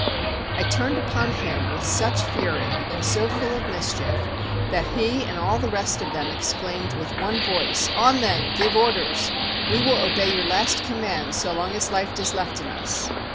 I turned upon him with such fury and so full of mischief, that he and all the rest of them exclaimed with one voice, "On then! Give orders! We will obey your last commands, so long as life is left in us."